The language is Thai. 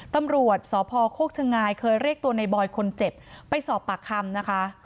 ตำรวจสพโคกชะงายเคยเรียกตัวในบอยคนเจ็บไปสอบปากคำนะคะ